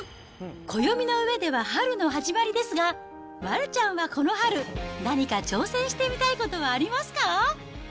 暦の上では春の始まりですが、丸ちゃんはこの春、何か挑戦してみたいことはありますか？